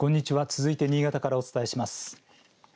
続いて新潟からお伝えします。